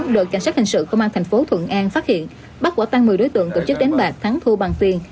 đội cảnh sát hình sự công an thành phố thuận an phát hiện bắt quả tăng một mươi đối tượng tổ chức đánh bạc thắng thu bằng tiền